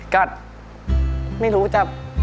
ไม่รู้จะ